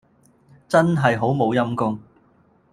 真係好冇陰公